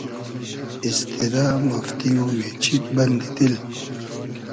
ایستیرۂ , مافتی و مېچید بئندی دیل